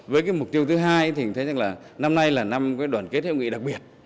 với mục tiêu thứ hai thì thấy rằng là năm nay là năm đoàn kết hợp nghị đặc biệt